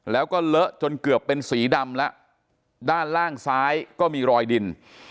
แล้วก็เลอะจนเกือบเป็นสีดำแล้วด้านล่างซ้ายก็มีรอยดิน